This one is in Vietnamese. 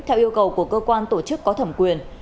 theo yêu cầu của cơ quan tổ chức có thẩm quyền